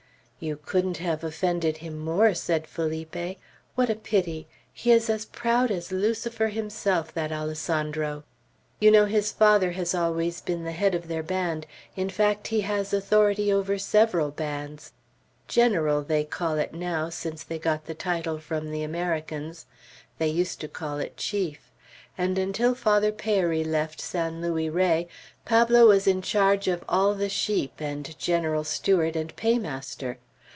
"You couldn't have offended him more," said Felipe. "What a pity! He is as proud as Lucifer himself, that Alessandro. You know his father has always been the head of their band; in fact, he has authority over several bands; General, they call it now, since they got the title from the Americans; they used to call it Chief., and until Father Peyri left San Luis Rey, Pablo was in charge of all the sheep, and general steward and paymaster.